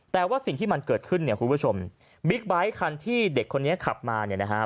แต่ว่าสิ่งที่มันเกิดขึ้นเนี่ยคุณผู้ชมบิ๊กไบท์คันที่เด็กคนนี้ขับมาเนี่ยนะฮะ